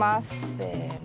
せの。